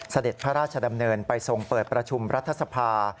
เสด็จพระราชดำเนินไปทรงเปิดประชุมรัฐสภา